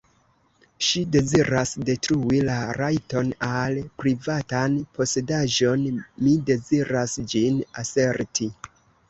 Ŝi deziras detrui la rajton al privatan posedaĵon, mi deziras ĝin aserti.